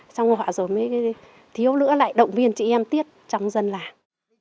trong họ rồi mới thiếu nữa lại động viên chị em tiết trong dân làng